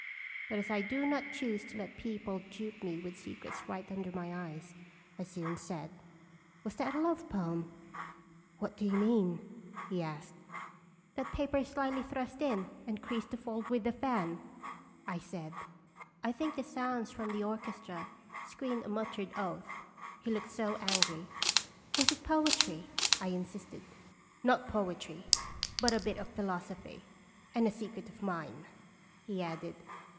But as I do not choose to let people dupe me with secrets right under my eyes, I soon said: " Was that a love poem ?"" What do you mean ?" he asked. " That paper slyly thrust in and creased to fold with the fan," I said. I think the sounds from the orchestra screened a muttered oath, he looked so angry. " Was it poetry?" I insisted. " Not poetry, but a bit of philosophy and a secret of mine," he added.